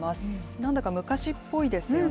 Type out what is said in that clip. なんだか昔っぽいですよね。